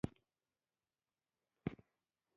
چې د عمران خان په نیولو سره